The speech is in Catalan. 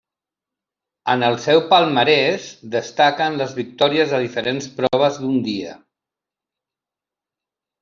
En el seu palmarès destaquen les victòries a diferents proves d'un dia.